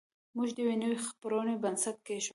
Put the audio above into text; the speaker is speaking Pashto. موږ د یوې نوې خپرونې بنسټ کېښود